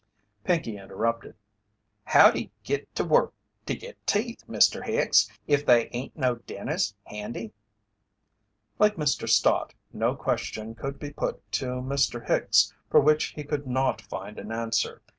Pinkey interrupted: "How do you git to work to get teeth, Mr. Hicks, if they ain't no dentist handy?" Like Mr. Stott, no question could be put to Mr. Hicks for which he could not find an answer.